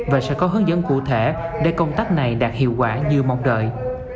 và sẽ có hướng dẫn cụ thể để công tác này đạt hiệu quả như mong đợi